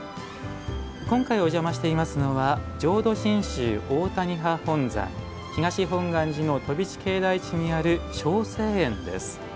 今回お邪魔していますのは浄土真宗大谷派本山東本願寺の飛地境内地にある渉成園です。